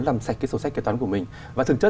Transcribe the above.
làm sạch cái sổ sách kế toán của mình và thực chất